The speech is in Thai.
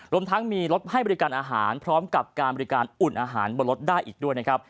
รวมทั้งมีรถให้บริการอาหารพร้อมกับการบริการอุ่นอาหารบนรถได้อีกด้วยนะครับ